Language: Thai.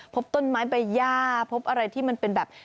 พบต้นไม้ใบย่าพบอะไรที่มันเป็นแบบ